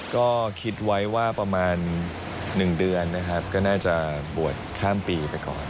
ก็คิดไว้ว่าประมาณ๑เดือนนะครับก็น่าจะบวชข้ามปีไปก่อน